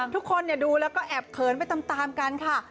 ทุกคนดูแล้วก็แอบเขินไปตามกันค่ะ